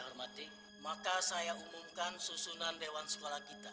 saya hormati maka saya umumkan susunan dewan sekolah kita